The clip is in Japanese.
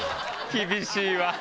厳しいわ！